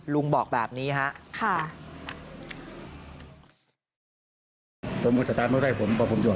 ลุงบอกแบบนี้ฮะค่ะนะฮะ